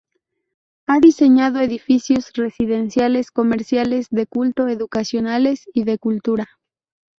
Ha diseñado edificios residenciales, comerciales, de culto, educacionales y de cultura.